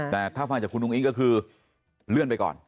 แต่ถ้าฟังจากคุณอุ้งอิ๊งก็คือเลื่อนไปก่อน